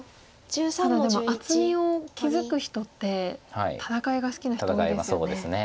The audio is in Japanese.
ただでも厚みを築く人って戦いが好きな人多いですよね。